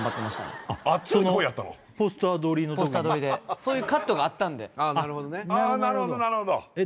そういうカットがあったんでああ